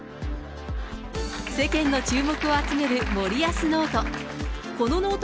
世間の注目を集める森保ノート。